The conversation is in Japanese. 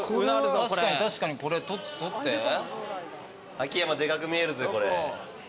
秋山でかく見えるぜこれ。